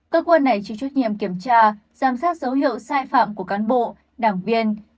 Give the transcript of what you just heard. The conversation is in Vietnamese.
cơ quan này chịu trách nhiệm kiểm tra giám sát dấu hiệu sai phạm của cán bộ đảng viên